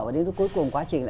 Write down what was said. và đến cuối cùng quá trình